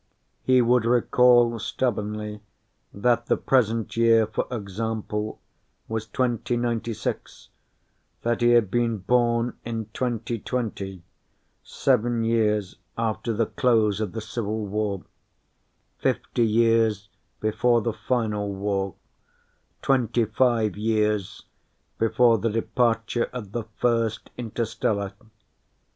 He would recall stubbornly that the present year, for example, was 2096; that he had been born in 2020, seven years after the close of the Civil War, fifty years before the Final War, twenty five years before the departure of the First Interstellar.